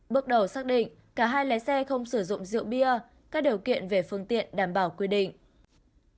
bước đầu xác định cả hai lái xe không sử dụng rượu bia các điều kiện về phương tiện đảm bảo quy định